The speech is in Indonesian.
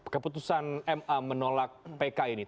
keputusan ma menolak pk ini